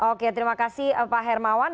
oke terima kasih pak hermawan